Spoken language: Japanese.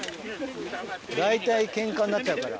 大体けんかになっちゃうから。